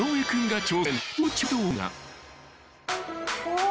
「うわ！」